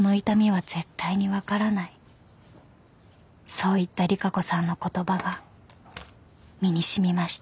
［そう言った利佳子さんの言葉が身に染みました］